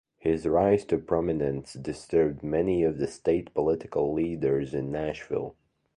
His rise to prominence disturbed many of the state political leaders in Nashville.